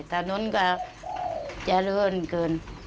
แต่นั้นก็จะเลื่อนขึ้น